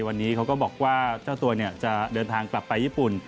วันนี้เขาก็บอกว่าเจ้าตัวจะเดินทางกลับไปญี่ปุ่น